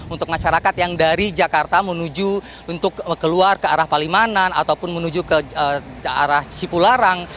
untuk masyarakat yang dari jakarta menuju untuk keluar ke arah palimanan ataupun menuju ke arah cipularang